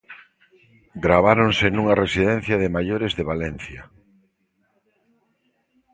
Graváronse nunha residencia de maiores de Valencia.